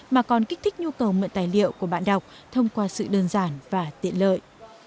mà còn kích thích nhu cầu mượn tài liệu của bạn đọc thông qua sự đơn giản và tiện lợi